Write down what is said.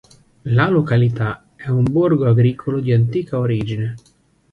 La località è un borgo agricolo di antica origine.